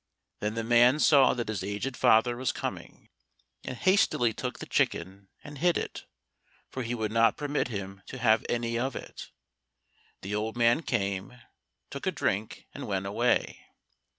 Then the man saw that his aged father was coming, and hastily took the chicken and hid it, for he would not permit him to have any of it. The old man came, took a drink, and went away.